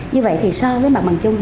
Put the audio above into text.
như vậy thì so với mặt bằng chung